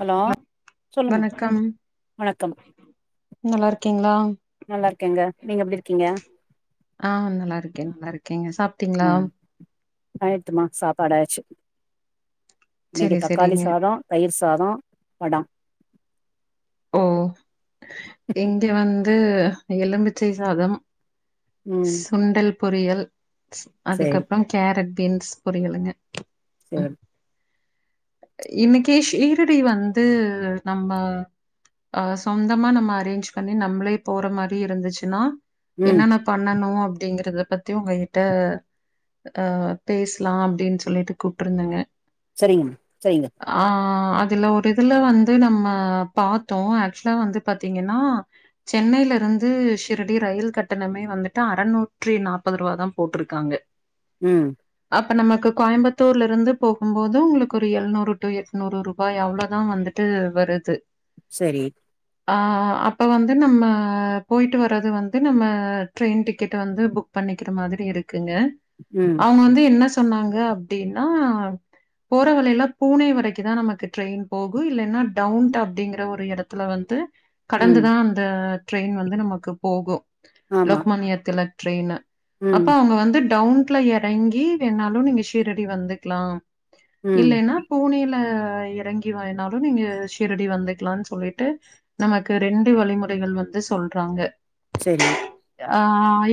Hello ந சொல்லுமா வணக்கம் நல்லா இருக்கீங்களா நல்லாருக்கேங்க நீங்க எப்பிடி இருக்கீங்க ஆ நல்லாருக்கே நல்லாருக்கேங்க சாப்ட்டீங்ளா ஆயிட்த்துமா சாப்பாடாயச்சு இன்னைக்கி செரி தக்காளி செரிங்க சாதோ தயிர் சாதோ வடா ஓ இங்கே வந்து எலும்புச்சை சாதம் ம் சுண்டல் பொரியல் சேரி அதுக்கப்புறம் கேரட் பீன்ஸ் பொரியலுங்க சேரி இன்னிக்கி ஷீரடி வந்து நம்ப ஆ சொந்தமா நம்ம அரேஞ்ச் பண்ணி நம்மளே போற மாரி இருந்துச்சுன்னா ம் என்னென்ன பண்ணணு அப்டிங்கறத பத்தி உங்ககிட்ட அ பேஸ்லா அப்டின் சொல்லிட்டு கூப்டுருந்தங்க சரிங்கம்மா சரிங்க ஆ அதுல ஒரு இதுல வந்து நம்ம பாத்தோ ஆக்சுலா வந்து பாத்தீங்கன்னா சென்னையிலருந்து ஷீரடி ரயில் கட்டணமே வ வந்துட்டு அறநூற்றி நாப்பது ரூவா தா போட்ருக்காங்க ம் அப்ப நமக்கு கோயம்பத்தூர்லருந்து போகும்போது உங்களுக்கு ஒரு எழுநூறு டு எட்நூறு ரூபாய் அவ்ளோதா வந்துட்டு து வருது செரி ஆ அப்ப வந்து நம்ம போய்ட்டு வர்றது வந்து நம்ம ட்ரெய்ன் டிக்கெட் வந்து புக் பண் பண்ணிக்கிற மாதிரி இருக்குங்க ம் அவுங்க வந்து என்ன சொன்னாங்க அப்டின் னா போறவலேலா பூனே வரைக்கியு தா நமக்கு ட்ரெய்ன் போகு இல்லன்னா டவுன் டாப் அப்டிங்கற ஒரு எடத்துல வந்து ம் கடந்துதா அந்த ட்ரெய்ன் வந்து நமக்கு போகு ஆமா லோக்மான்னியத்துல ட்ரெயினு அப்ப ம் அவுங்க வந்து டவ்ன் ட்ல எறங்கி வேணாலு நீங்க ஷீரடி வந்துக்லா ம் இல்லேன்னா பூனேல அ எறங்கி வாயினாலு நீங்க ஷீரடி வந்துக் க்கலா சொல்லிட்டு நமக்கு ரெண்டு வழிமுறைகள் வந்து சொல்றாங்க செரி ஆ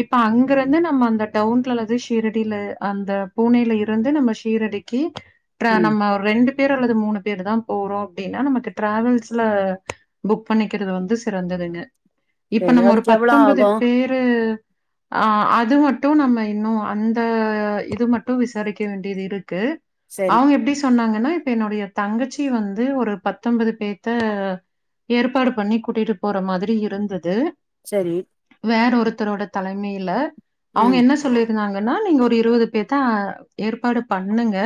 இப்ப அங்கருந்து நம்ம அந்த டவுன்லந்து ஷீரடில அந்த பூனேல இருந்து நம்ம ப்ப ஷீரடிக்கி ட்ரா ம் நம்ம ஒரு ரெண்டு பேரு அல்லது மூணு பேர் தா போறோ அப்டின்னா நமக்கு டிரவல்ஸ் ல புக் பண்ணிக்கிறது வந்து சிறந்ததுங்க இப்ப சரி நம்ம ஒரு அதுக்கு எவ்ளோ பத்தொம்பது ஆகு பேரு ஆ அது மட்டு நம்ம இன்னு அந்த இது மட்டு விசாரிக்க வேண்டியது இருக்கு சரி அவுங்க எப்டி சொன்னாங்கன்னா இப்ப என்னோடைய தங்கச்சி வந்து ஒரு பத்தொன்பது பேர் து ஏற்பாடு பண்ணி கூட்டிட்டு போற மாதிரி இருந்தது செரி வேற ஒருத்தரோட தலைமையில அவங்க ம் என்ன சொல்லியிருந்தாங்கன்னா நீங்க ஒரு இருவது பேத்த ஏற்பாடு பண்ணுங்க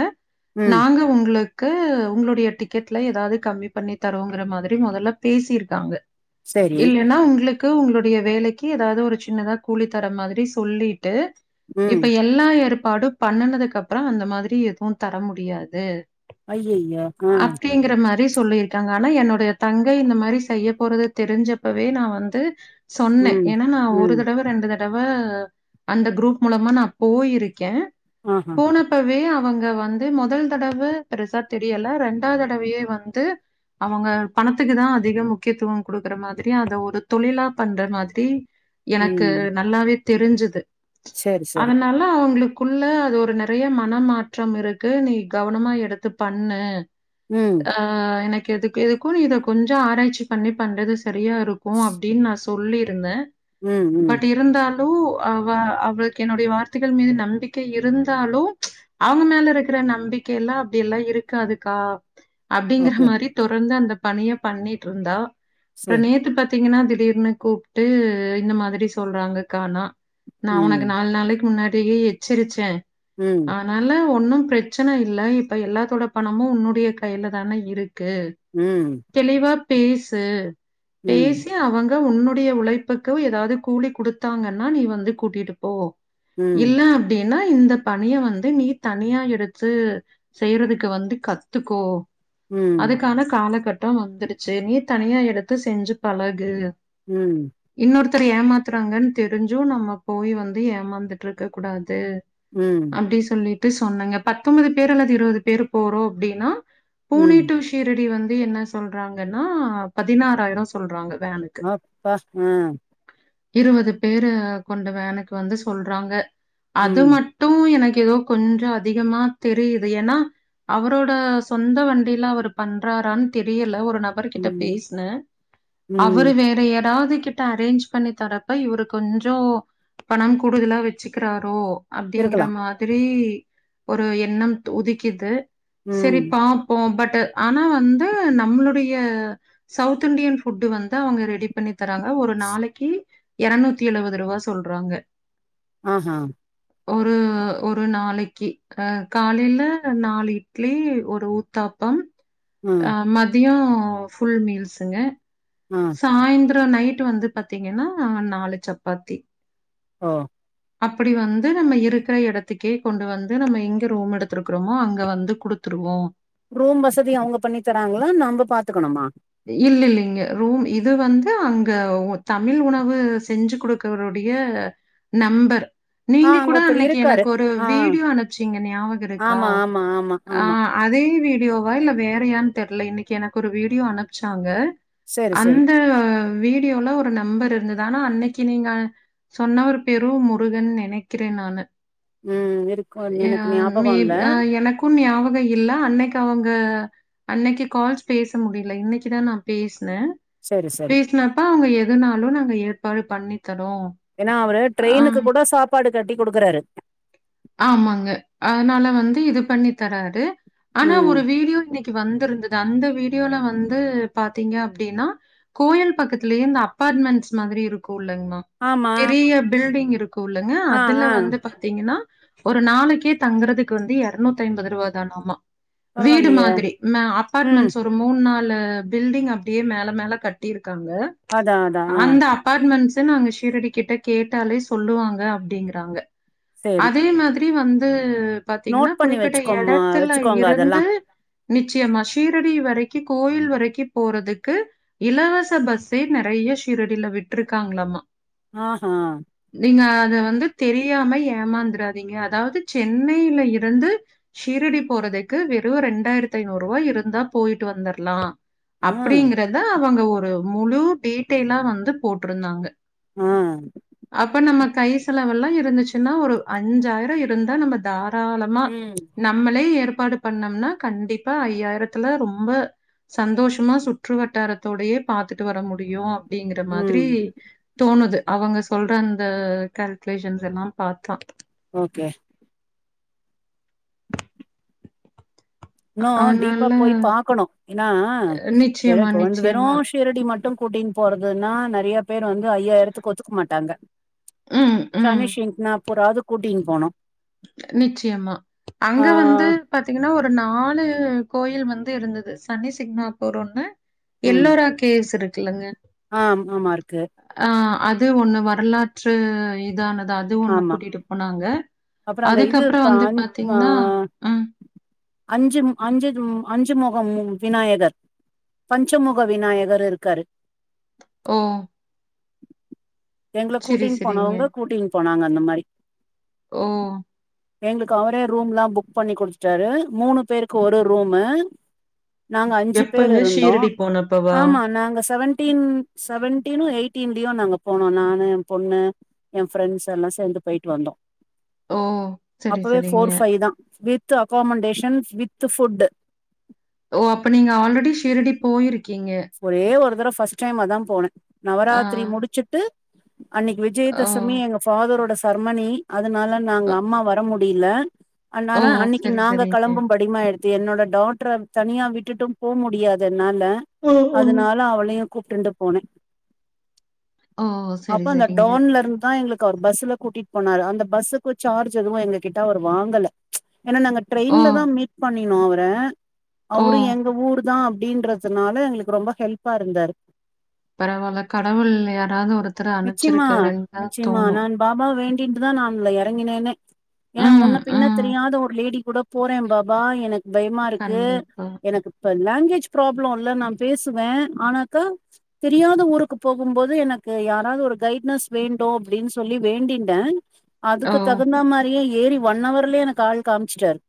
ம் நாங்க உங்களுக் கு உங்களுடைய டிக்கெட்ல ஏதாது கம்மி பண்ணி தரோங்கற மாதிரி மொதல்ல பேசிருக்காங்க சரி இல்லன்னா உங்ளுக்கு உங்களுடைய வேலைக்கி ஏதாது ஒரு சின்னதா கூலி தர மாதிரி சொல்லி ட்டு ம் இப்ப எல்லா ஏற் பாடு பண்ணுனதுக்கு அப்றோ அந்த மாதிரி எதுவு தர முடியாது ஐயய்யோ ம் சொல்லிருக்காங்க ஆனா என்னுடைய தங்கை இந்த மாரி செய்ய போறது தெரிஞ்சப்பவே நா வந்து சொன்னே ம் ஏனா நா ஒரு ம் தடவ ரெண்டு தடவ அந்த க்ரூப் மூலமா நா போயிருக்கே ஆஹா போனப்பவே அவங் க வந்து மொதல் தடவ பெருசா தெரியல ரெண்டா தடவையே வந்து அவங்க பணத்துக்கு தா அதிக முக்கியத்துவோ குடுக்குற மாதிரி அத ஒரு தொழிலா பண்ற மாதிரி எனக்கு ம் நல்லாவே தெரிஞ்சது சரி சரி அதனால அவங்களுக் குள்ள அது ஒரு நெறைய மனமாற்றம் இருக்கு நீ கவனமா எடுத்து பண்ணு ம் ஆ எனக் எதுக் எதுக்கு நீ இத கொஞ்சோ ஆராய்ச்சி பண்ணி பண்றது சரியா இருக்கு அப்டின் நா சொல்லிருந்தே ம் ம் பட் இருந்தா லு அவ அவளுக்கு என்னுடைய வார்த்தைகள் மீது நம்பிக்க இருந்தாலு அவங்க மேல இருக்கிற நம்பிக்கேல அப்டி எல்லா இருக்காதுக்கா அப்டிங்கற ஓகே மாரி தொடர்ந்து அந்த பணிய பண்ணிட்ருந்தா அப்றோ சரி நேத்து பாத்தீங்கன்னா திடீர்னு கூப்ட்டு இந்த மாதிரி சொல்றாங்கக்கானா நா ஒனக்கு ம், நாளு நாளைக்கு முன்னாடி தயே எச்சரிச்சே ம், ஆனால ஒன்னு பிரச் சன இல்ல இப்ப எல்லாத்தோட பணமு உன்னுடைய கைல தான இருக் கு ம், தெளிவா பேசு ம் பேசி அவங்க உன்னுடைய உழைப்புக்கு ஏதாவது கூலி குடுத்தாங்கன்னா நீ வந்து கூட்டிட்டு போ ம், இல்ல அப்டி ஏன்னா இந்த பணிய வந்து நீ தனியா எடுத்து செய்றதுக்கு வந்து கத்துக்கோ ம், அதுக்கான காலகட்டோ வந்துருச்சி நீ தனியா எடுத்து செஞ்சி பழகு ம், இன்னொருத்தர ஏமாத் றாங்கன்னு தெரிஞ்சு நம்ம போய் வந்து ஏமாந்துட்டு இருக்க கூடாது கு ம், அப்டி சொல்லிட்டு சொன்னேங்க பத்தொன்பது பேர் அல்லது இருபது பேர் போறோ அப்டின்னா பூனே ம். டூ ஷீரடி வந்து என்ன சொல்றாங்கன்னா பதினாறாயிரோ சொல்றாங்க வேனுக்கு. அப்பா ஆ இருவது பேரு கொண்ட வேனுக்கு வந்து சொல்றாங்க அது ம், மட்டு எனக்கு ஏதோ கொஞ்சோ அதிகமா தெரியுது ஏன்னா அவரோட சொந்த வண்டில அவர் பண்றாரான்னு தெரியல ஒரு நபர் கிட்ட ம், பேஸ்னே அவரு ம். வேற யாராது கிட் ட அரேஞ்ச் பண்ணி தரப்ப இவரு கொஞ்சோ பணம் கூடுதலா வச்சிக்கிறாரோ அப்டிங்கிற இருக்கலாம். மாதிரி ஒரு எண்ணம் தோ உதிக்குது செரி ம். பாப்போ பட் ஆனா வந்து நம்மளுடைய சவுத் இண்டியன் ஃபுட்டு வந்து அவங்க ரெடி பண்ணி தர்றாங்க ஒரு நாளைக்கி இரநூத்தி எழுவது ரூவா சொல்றாங்க ஆஹ ஒரு ஒரு நாளைக்கி ஆ காலேல நாலு இட்லி ஒரு ஊத்தாப் பம் அ, ஆ மதியோ ஃபுல் மீல்ஸ்ங்க ஆ, சாய்ந்த அப்றோ நைட் வந்து பாத்தீங்கன்னா நாலு சப்பாத்தி ஓ அப்படி வந்து நம்ம இருக்கிற இடத்துக்கே கொண்டு வந்து நம்ம எங்க ரூம் எடுத்துருக்றமோ அங்க வந்து குடுத்து டுவோ ரூம் வசதி அவங்க பண்ணி தராங்களா நம்ப பாத்துக்கணுமா இல்லல்லைங்க ரூம் இது வந்து அங்க தமிழ் உணவு செஞ்சி குடுக்றவருடை ய நம்பர் ஆ நீங்க அங்க கூட ஒருத்தர் அன்னக்கி இருக்காரு. எனக்கு ஒரு ஆ, வீடியோ அனுப்ச்சீங்க ஞாபகோ இருக்கா ஆமா, ஆமா, ஆமா, ஆ ஆமா. அதே வீடி யோவா இல்ல வேறயான்னு தெரில இன்னக்கி எனக்கு ஒரு வீடியோ அனுப்ச்சாங்க சரி, சரி. அந்த வீடியோல ஒரு நம்பர் இருந்தது ஆனா அன்னக்கி நீங்க சொன்னவர் பேரு முருகன் நெனைக்கிறே நானு ம். இருக்கும்னு ஆ எனக்கு மே ஞாபகம் இல்ல. ஆ எனக்கு ஞாபகோ இல்ல அன்னக் கி அவங்க அன்னக்கி கால்ஸ் பேச முடியல இன்னக்கி தா நா பேச னே சரி, சரி. பேஸ்னப்பா அவங்க எதுனாலு நாங்க ஏற்பாடு பண்ணி தர்ரோ ஏன்னா அவரு ட்ரெயினுக்கு கூட சாப்பாடு கட்டி குடுக்குறாரு ஆமாங்க அதனால வந்து இது பண்ணி தராது ஆனா ம். ஒரு வீடியோ இன்னைக்கு வந்திருந்தது அந்த வீடியோல வந்து பாத்தீங்க அப்டின்னா கோயில் பக்கத்திலயு இந்த அப்பார்ட்மெண்ட்ஸ் மாதிரி இருக்கு உள்ளங்கா மா ஆமா. பெரிய பில்டிங் இருக்கு உள்ளங்க ஆ, அதுல ஆ. வந்து பாத்தீங்கன்னா ஒரு நாளைக்கே தங்கறதுக்கு வந்து எருநூத்தி ஐம்பது ரூபா தானம்மா வீடு பரவாயில்லையே! மாதிரி ம். அப்பார்ட்மெண்ட்ஸ் ஒரு மூணு நாள்ளு பில்டிங் அப்டியே மேல மேல கட்டியிருக்காங்க அதான், அதான். ஆ அந்த அபார்ட்மெண்ட்ஸ் நாங்க ஷீரடி கிட்ட கேட்டாலே சொல்லுவாங்க அப்படிங்கறாங்க சரி. அதே மாதிரி வந்து பாத்தீங்கன்னா நோட் பண்ணி குறிப்பிட்ட வச்சுக்கோம்மா எடத்துல வச்சுக்கோங்க இருந்து அதெல்லாம். நிச்சயமா ஷீரடி வரைக்கி கோயில் வரைக்கி போறதுக்கு இலவச பஸ்ஸே நறைய ய ஷீரடியில விட்ருக்காங்களாமா ஆஹா! நீங்க அத வந்து தெரியாம ஏமா தீங்க அதாவது சென்னையில இருந்து ஷீரடி போறதுக்கு வெறும் ரெண்டாயிரத்தி ஐநூறு ரூபா [unintelligible] இருந்தா போயிட்டு வந்துடலா ஆ, அப்படிங்கறத அவங்க ஒரு முழு டீட்டெயலா வந்து போட்ருந்தாங்க ஆ. அப்ப நம்ம கை செலவெல்லா இருந்துச்சுன்னா ஒரு அஞ்சாயிர இருந்தா நம்ம தாராளமா ம். நம்மளே ஏ ஏற்பாடு பண்ணோம்னா கண்டிப்பா ஐயாயிரத்துல ரொம்ப சந்தோஷமா சுற்று வட்டாரத்தோடையே பாத்துட்டு வர முடியு அப்டிங்குற மாதிரி ம். தோணுது அவுங்க சொல்ற அந்த கால்குலேஷன்ஸ் எல்லா பாத்தா ஓகே இன்னு டீப்பா அதனால போய் பாக்கணு ஏன்னா வெறு நிச்சயமா, இப்ப வந்து வெறு நிச்சயமா. ஷீரடி மட்டு கூட்டின்னு போறதுன்னா நறையப் பேர் வந்து ஐயாயிரத்துக்கு ஒத்துக்க மாட்டாங்க ம், ம். சனிஷின்ட்னா போறாது கூட்டின்னு போனு நிச்சயமா அங்க வந்து பாத்தீங்கன்னா ஒரு நா லு கோயில் வந்து இருந்தது சனி சிக்மாஃபோர் ஒன்னு ம். எல்லோரா கேவ்ஸ் இருக்கு ஆ ஆமா இருக்கு ஆ அது ஒண்ணு வரலாற்று இதானது அது ஒண்ணு ஆமா. கூட்டிட்டு போனாங்க அப்புறம் அந்த இது அதுக்கப்புற ப வந்து அஞ் பாத்தீங்கன்னா ம் அஞ்சு அஞ்சு அஞ்சு முகம் விநாயகர் பஞ்சமுக விநாயகர் இருக்காரு ஓ எங்கள சரி, கூட்டின்னு சரிங்க. போனவுங்க கூட்டின்னு போனாங்க அந்த மாரி ஓ எங்களுக்கு அவரே ரூம்லா புக் பண்ணி குடுத்துட்டாரு மூணு பேருக்கு ஒரு ரூமு நாங்க அஞ்சு பேரு எப்பங்க இருந்தோ ஷீரடி போனப்பவா? ஆமா நாங்க செவன்டீன் செவன்டீனு எயிட்டீன்லயோ நாங்க போனோ நானு எ பொண்ணு எ ஃப்ரெண்ட்ஸ் எல்லா சேந்து போயிட்டு வந்தோ ஓ! சரி, அப்பவே சரிங்க. போஃர் ஃபை தா with accommodation with with food ஓ அப்ப நீங்க ஆல்ரெடி ஷீரடி போயிருக் ஒரே ஒரு தடவ ஃபர்ஸ்ட் டைம் தான போனே ஆ, நவராத்திரி முடிச்சுட்டு அன்னைக்கு ஓ! விஜயதசமி எங்க ஃபாதரோட சர்மனி அதனால நாங்க அ, அம்மா வர முடி மல ஓ! அதனால அன்னைக்கு சரி, நாங்க சரிங்க. களம்பு படிமா எடுத் து என்னோட டாட்டர தனியா விட்டுட்டும் போ முடியாது என்னால ஓ, ஓ. அதனால அவளையு கூப்ட்டுன்ட்டு போனே ஓ! அப்ப சரி, அந்த சரிங்க. டோன்ல இருந்து தா எங்களுக் ஒரு பஸ்ல கூட்டிட்டு போனாரு அந்த பஸ்ஸுக்கு ஜார்ஜ் எதுவு எங்க கிட்ட அவரு வாங்கல ஏன்னா நாங்க ஓ! ட்ரெயின்ல தா மீட் பண்ணினோ அவர ஓ! அவரு எங்க ஊரு தா அப்படின்றது னால எங்களுக்கு ரொம்ப ஹெல்ப்பா இருந்தாரு பரவால்ல கடவுள் யாராவது ஒருத்தர நிச்சயமா அனுப்ச்சிருக்காருன்னு தா தோணு டின்டுதா நா அத்ல எறங்கனேனே ஏ ம், முன்ன பின்ன ம். தெரியாத ஒரு லேடி கூட போற பாபா எனக்கு பயமா இருக்கு கண்டிப்பா. எனக்கு இப்ப லாங்குவேஜ் ப்ராப் ல்ல நா பேசுவே ஆனாக்கா தெரியாத ஊருக்கு போகுபோது எனக்கு யாராவது ஒரு கைட் னஸ் வேண்டொ அப்டின்னு சொல்லி வேண்டின்டே ஓ! அதுக்கு தகுந்த மாரியே ஏறி ஒன்னவர்லயே எனக்கு ஆள் காமிச்சுட்டாரு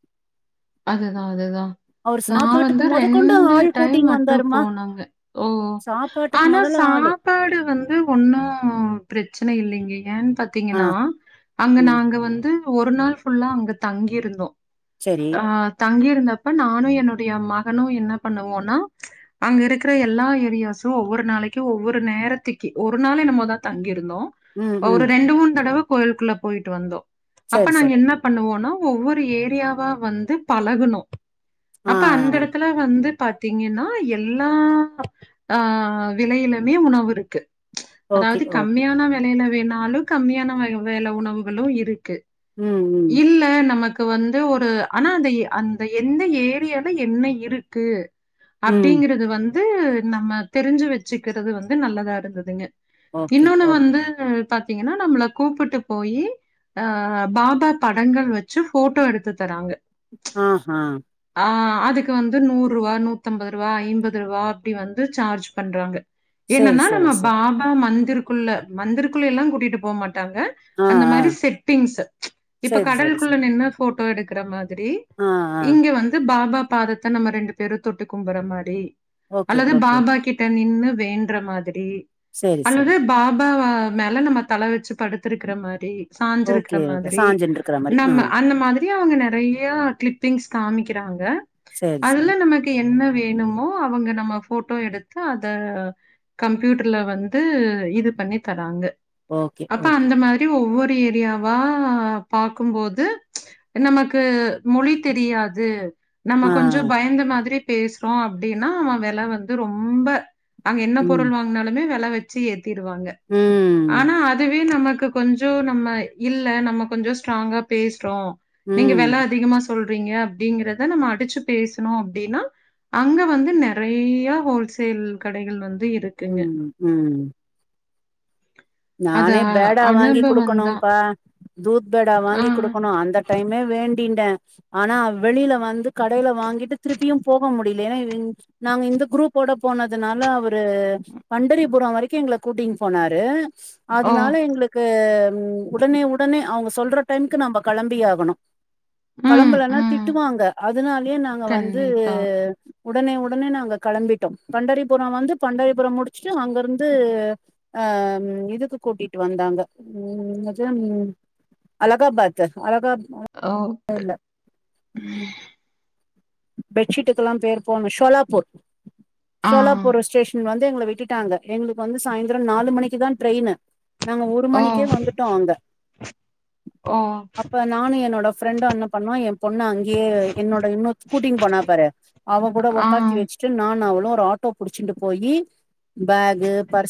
அதுனாலதா அவரு நா சாப்பாட்டுக்கு வந்து மொத கொண்டு ரெண்டு ஆள் டைம் கூட்டின்னு மட்டு வந்தாருமா போனாங்க ஓ சாப்பாட்டுக்கு ஆனா மொதல்ல ஆளு சாப்பாடு வந்து ஒன்னா பிரச்சன இல்லேங்க ஏன்னு ஆ பாத்தீங்கன்னா அங்க ம் நாங்க வந்து ஒரு நாள் ஃபுல்லா அங்க தங்கிருந்தோ சரி ஆஹ் தங்கி இருந்தப்ப நானு என்னுடைய மகனு என்ன பண்ணுவோனா அங்க இருக்குற எல்லா ஏரியாஸு ஒவ்வொ நாளைக்கு ஒவ்வொரு நேரத்திக்கு ஒரு நாள் என்னமோ தா தங்கியிரு இருந்தோ ம் ஒரு ம் ரெண்டு மூணு தடவ கோயிலுக்குள்ள போயிட்டு வந்தோ அப்ப சரி நாங்க சரி என்ன பண்ணுவோனா ஒவ்வொரு ஏரியாவா வந்து பழகனு ஆ அப்ப அந்த இடத்துல வந்து பாத்திங்கன்னா எல்லா ஆஹ் விலையிலுமே உணவு இருக்கு ஓகே அதாவது ஓகே கம்மியான வெலைல வேனாலு கம்மியான வெல உணவுகளு இருக்கு ம் ம் இல்ல நமக்கு வந்து ஒரு ஆனா அந்த அந்த எந்த ஏரியால என்ன இருக்கு ம் அப்டிங்கிறத வந் து நம்ம தெரிஞ்சி வச்சிக்கிறது வந்து நல்லதா இருந்ததுங்க ஓகே இன்னொன்னு ஓகே வந்து பாத்திங்கன்னா நம்மள கூப்பிட்டு போயி அஹ் பாபா தடங்கள் வச்சி ஃபோட்டோ எடுத்து தராங்க ஆஹா அஹ் அதுக்கு வந்து நூறுவா நூத்தம்பது ருவா ஐம்பது ருவா அப்டி வந்து சார்ஜ் பண்றாங்க சேரி என்னனா சேரி நம்ம சேரி பாபா மந்திருக்குள்ள மந்திருக்குள்ளே எல்லா கூட்டிட்டு போ மாட் டாங்க ஆ அந்த ஆ மாரி செட்டிங்ஸ் இப்ப சேரி சேரி சேரி கடலுக்குள்ள நின்னு ஃபோட்டோ எடுக்கற மாரி ஆ ஆ இங்க வந்து பாபா பாதத்த நம்ம ரெண்டு பேரு தொட்டு கும்பற மாதிரி ஓகே அல்லது ஓகே பாபா கிட்ட நின்னு வேண்ட்ற மாதிரி சேரி சேரி அல்லது பாபா அவர் மேல நம்ம தல வச்சி படுத்திருக்கற மாரி ஓகே சாஞ்சிருக்ற ஓகே மாதிரி சாஞ்சுன்ருக்கற மாரி ஆ நம்ம அந்த மாதிரி அவுங்க நெறைய கிளிப்பிங்ஸ் காமிக்கிறாங்க சேரி சேரி அதுல நமக்கு என்ன வேணுமோ அவுங்க நம்ம ஃபோட்டோ எடுத்து அத கம்ப்யூட்டர்ல வந்து இது பண்ணி தராங்க ஓகே அப்ப ஓகே அந்த மாரி ஒவ்வொரு ஏரியாவா பாக்கும்போது நமக்கு மொழி தெரியாது நம்ம ஆ கொஞ்சோ பயந்த மாதிரி பேசறோ அப்டின்னா அவன் வெல வந்து ரொம்ப அங்க என்ன ம் பொருள் வாங்னாலுமே வெல வச்சி ஏ திருவாங்க ம் ஆனா அதுவே நமக் கொஞ்சோ நம்ம இல்ல நம்ம கொஞ்சோ ஸ்ட்ராங்கா பேசுறோ நீங்க ம் வெல அதிகமா சொல்றீங்க அப்டிங்கறத நம்ம அடிச்சி பேசனோ அப்டின்னா அங்க வந்து நெறைய ஹோல்சேல் கடைகள் வந்து இருக்குங்க. உம் உம் அது நானே அ பேடா வாங்கி அனுபவம் தான். குடுக்கணும்ப்பா தூத் பேடா ஆ. வாங்கி குடுக்கணு அந்த டைமே வேண் டிட்ட ஆனா வெளில வந்து கடையில வாங்கிட்டு திருப்பியு போக முடில ஏன்னா நாங்க இந் இந்த குரூப் ஓட போனதுனால அவரு பண்டரிபுரோ வரைக்கு எங்கள கூட்டினு போனாரு ஓ! அதனால எங்ளுக்கு ம் உடனே உடனே அவுங்க சொல்ற டைமுக்கு நம்ப கெளம்பி ஆகணு ம், கெளம்பலனா ம். திட்டுவாங்க அதனாலயே நாங்க வந்து கண்டிப்பா. உடனே உடனே நாங்க கெளம்பிட்டோ தொண்டரிபுரோ வந்து தொண்டரிபுரோ முடிச்சுட்டு அங்கிருந்து அஹ் இதுக்கு கூட்டிட்டு வந்தாங்க உம் இது அலகாபாத் அலகா மழை ஓ! பேய இல்ல ம் பெட்ஷீட்டுக்கெல்லா பேர் போன ஷோலாப்பூர் ஆ. ஷோலாப்பூர் ஸ்டேஷன் வந் து எங்கள விட்டுட்டாங்க எங்களுக்கு வந்து சாயந்திர நாலு மணிக்கு தா ட்ரெயின்னு நாங்க ஒரு மணிக்கே வந்துட்டோ அங்க ஆ அப்ப நானு என்னோட ஃப்ரெண்டு என்ன பண்ணோ எ பொண்ணு அங்கேயே என்னோட இன்னு கூட்டிங் போனா பாரு அவ கூட உக்காத்தி ஆ. வச்சிட்டு நான் அவளு ஒரு ஆட்டோ புடிச்சுட்டு போயி பேகு பர்ஸ்